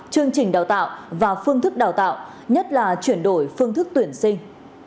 chương trình đào tạo và phương thức đào tạo nhất là chuyển đổi phương thức tuyển sinh